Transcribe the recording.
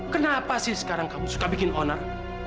kenapa sih sekarang kamu suka bikin owner